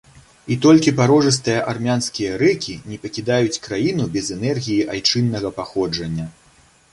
І толькі парожыстыя армянскія рэкі не пакідаюць краіну без энергіі айчыннага паходжання.